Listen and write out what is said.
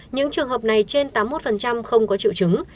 những trường hợp này trên tám mươi một không có triệu chứng